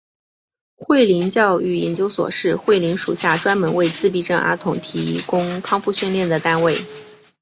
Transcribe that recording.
慧灵教育研究所是慧灵属下专门为自闭症儿童提供康复训练的单位。